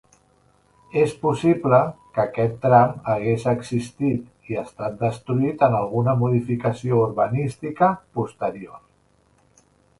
És possible que aquest tram hagués existit i estat destruït en alguna modificació urbanística posterior.